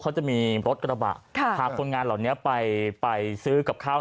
เขาจะมีรถกระบะพาคนงานเหล่านี้ไปซื้อกับข้าว